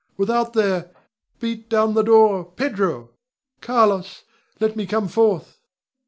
without there! Beat down the door! Pedro! Carlos! let me come forth!